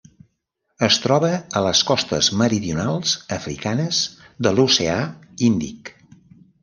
Es troba a les costes meridionals africanes de l'Oceà Índic.